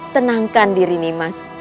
tenangkan diri nimas